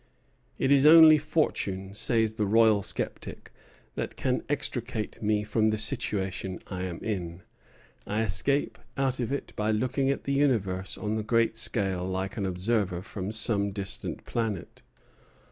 "It is only Fortune," says the royal sceptic, "that can extricate me from the situation I am in. I escape out of it by looking at the universe on the great scale like an observer from some distant planet.